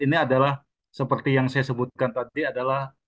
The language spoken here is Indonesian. ini adalah seperti yang saya sebutkan tadi adalah